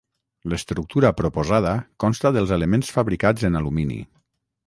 L'estructura proposada consta dels elements fabricats en alumini